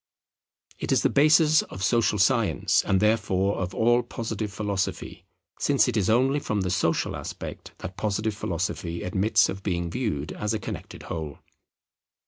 It is the basis of social science and therefore of all Positive Philosophy; since it is only from the social aspect that Positive Philosophy admits of being viewed as a connected whole.